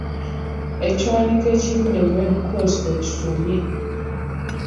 Ekiwandiiko ekivudde mu Red Cross bwe kisomye.